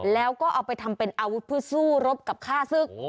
แล้วก็เอาไปทำเป็นอาวุธเพื่อสู้รบกับฆ่าศึก